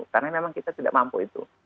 karena memang kita tidak mampu itu